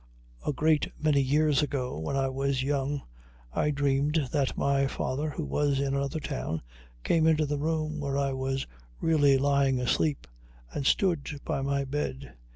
A great many years ago, when I was young, I dreamed that my father, who was in another town, came into the room where I was really lying asleep and stood by my bed.